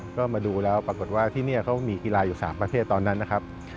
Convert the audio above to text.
ก็มาดูแล้วปรากฏว่าที่นี่เขามีกีฬาอยู่๓ประเทศตอนนั้นนะครับ